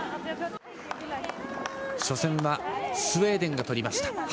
初戦はスウェーデンがとりました。